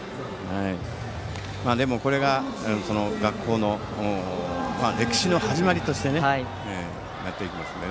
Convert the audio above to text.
でも、これが学校の歴史の始まりになっていきますので。